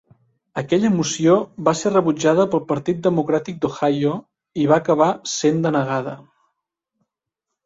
Aquella moció va ser rebutjada pel Partit democràtic d"Ohio i va acabar sent denegada.